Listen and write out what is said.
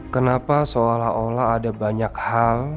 kenapa seolah olah ada banyak hal